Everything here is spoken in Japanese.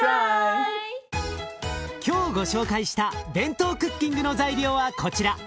今日ご紹介したＢＥＮＴＯクッキングの材料はこちら。